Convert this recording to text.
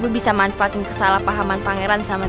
gue bisa manfaatin kesalahpahaman pangeran sama